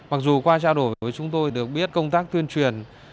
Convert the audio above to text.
mặc dù qua trao đổi với chúng tôi được biết công tác tuyên truyền